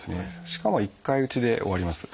しかも１回打ちで終わります。